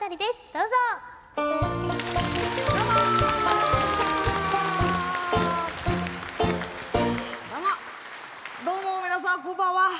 どうも皆さんこんばんは。